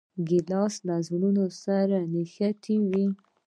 ګیلاس له زړونو سره نښتي وي.